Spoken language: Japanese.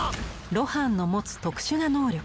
露伴の持つ特殊な能力